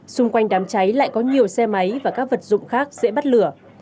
xung quanh đám cháy lại có nhiều xe máy và các vật dụng khác dễ bắt lửa